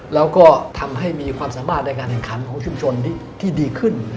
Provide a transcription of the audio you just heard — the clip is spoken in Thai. แล้วก็ทำให้มีความสามารถในการแข่งขันของชุมชนที่ดีขึ้น